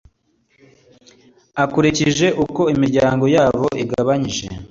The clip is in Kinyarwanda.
akurikije uko imiryango yabo igabanyije